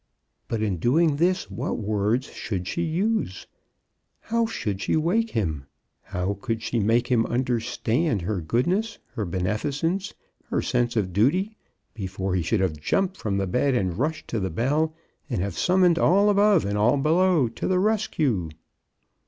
But in doing this what words should she use? How should she wake him? How should she make him understand her goodness, her benefi cence, her sense of duty, before he should have jumped from the bed and rushed to the bell, and have summoned all above, and all below, to the rescue?